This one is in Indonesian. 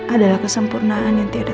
adalah kesempurnaan yang tidak ada